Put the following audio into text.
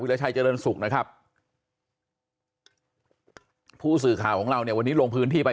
ราชัยเจริญสุขนะครับผู้สื่อข่าวของเราเนี่ยวันนี้ลงพื้นที่ไป